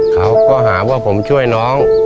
เขาก็หาว่าผมช่วยน้อง